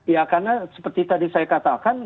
ya karena seperti tadi saya katakan